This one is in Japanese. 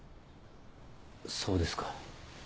そうですか。